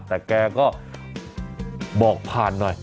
แต่แกก็บอกผ่านหน่อย